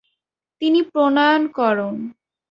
তিনি প্রণয়ন করন।